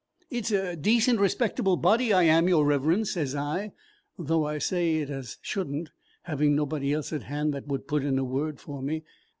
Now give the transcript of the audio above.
'It's a decent, respectable body I am, your Reverence,' sez I, 'though I say it as should n't, having nobody else at hand that would put in a word for me.'